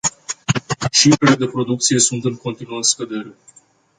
Cifrele de producție sunt în continuă scădere.